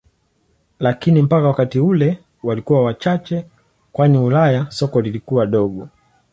Lakini mpaka wakati ule walikuwa wachache kwani Ulaya soko lilikuwa dogo.